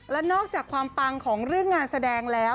และนอกจากความปังของเรื่องงานแสดงแล้ว